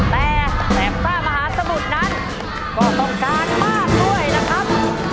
แต่แหมพระมหาสมุทรนั้นก็ต้องการมากด้วยนะครับ